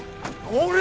乗れ？